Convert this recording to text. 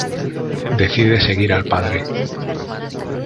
Decide seguir al padre.